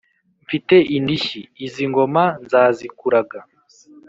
mfite indishyi, izi ngoma nzazikuraga